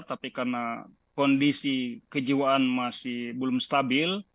tapi karena kondisi kejiwaan masih belum stabil